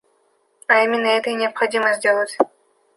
А именно это и необходимо сделать.